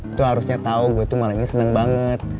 itu harusnya tau gue tuh malam ini seneng banget